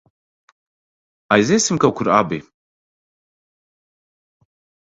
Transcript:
Aiziesim kaut kur abi?